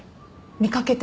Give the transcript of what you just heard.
見掛けて。